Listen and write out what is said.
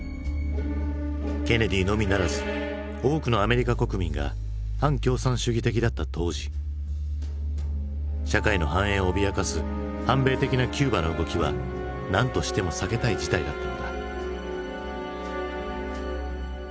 ケネディのみならず多くのアメリカ国民が反共産主義的だった当時社会の繁栄を脅かす反米的なキューバの動きはなんとしても避けたい事態だったのだ。